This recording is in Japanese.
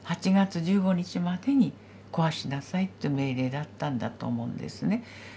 ８月１５日までに壊しなさいっていう命令だったんだと思うんですね。